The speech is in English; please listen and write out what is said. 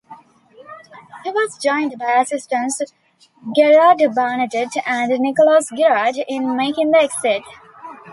He was joined by assistants Gerard Bernadet and Nicolas Girard in making the exit.